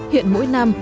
hiện mỗi năm